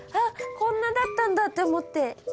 こんなだったんだと思って。